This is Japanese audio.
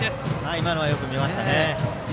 今のはよく見ましたね。